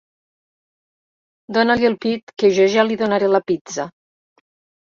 Dóna-li el pit, que jo ja li donaré la pizza.